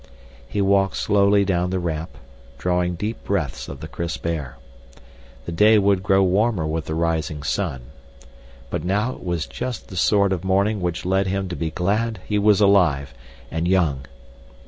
He walked slowly down the ramp, drawing deep breaths of the crisp air. The day would grow warmer with the rising sun. But now it was just the sort of morning which led him to be glad he was alive and young!